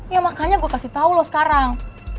ya makanya gue kasih tau loh sekarang